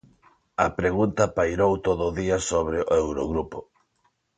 A pregunta pairou todo o día sobre o Eurogrupo.